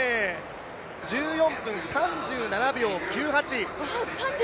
１４分３７秒９８。